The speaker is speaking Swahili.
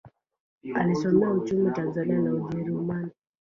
Alisomea uchumi Tanzania na Ujerumani.